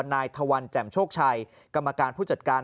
นายทวันแจ่มโชคชัยกรรมการผู้จัดการ